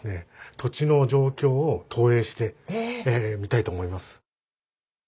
土地の状況を投影してみたいと思います。